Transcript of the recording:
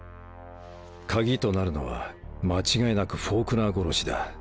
鍵となるのは間違いなくフォークナー殺しだ